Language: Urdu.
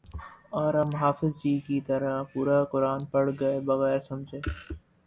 اور ہم حافظ جی کی طرح پورا قرآن پڑھ گئے بغیر سمجھے